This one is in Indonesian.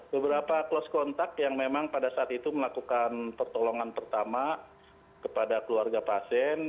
beberapa close contact yang memang pada saat itu melakukan pertolongan pertama kepada keluarga pasien